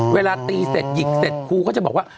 เวลาตีเสร็จหยิกเสร็จครูก็จะบอกว่า